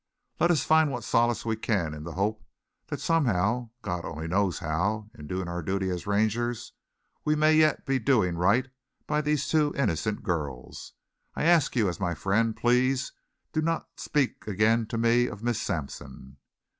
Let us find what solace we can in the hope that somehow, God only knows how, in doing our duty as Rangers we may yet be doing right by these two innocent girls. I ask you, as my friend, please do not speak again to me of Miss Sampson."